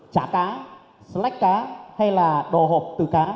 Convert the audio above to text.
chả cá lách cá hay là đồ hộp từ cá